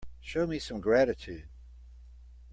Show me some gratitude.